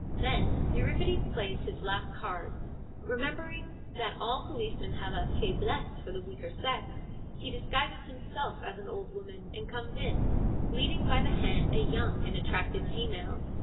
Then Euripides plays his last card. Remembering that all policemen have a faiblesse for the weaker sex, he disguises him self as an old woman, and comes in, leading by the hand a young and attractive female.